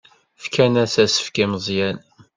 Fkan-as asefk i Meẓyan.